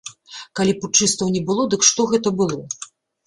Калі путчыстаў не было, дык што гэта было?